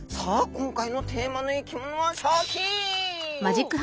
今回のテーマの生き物はシャキーン！